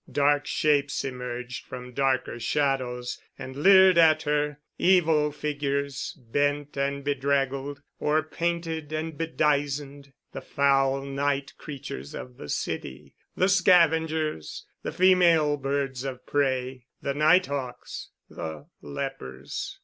Dark shapes emerged from darker shadows and leered at her—evil figures, bent and bedraggled, or painted and bedizened, the foul night creatures of the city, the scavengers, the female birds of prey, the nighthawks, the lepers.